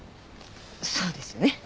そうですね。